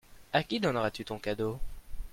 A qui donneras-tu ton cadeau ?